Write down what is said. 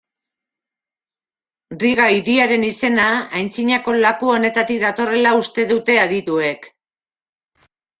Riga hiriaren izena, antzinako laku honetatik datorrela uste dute adituek.